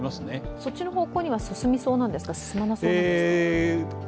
そっちの方向には進みそうなんですか、進まなそうなんですか？